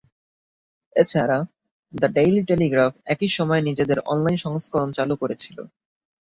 এছাড়া "the Daily Telegraph" একই সময়ে নিজেদের অনলাইন সংস্করণ চালু করেছিল।